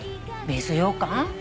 水ようかん？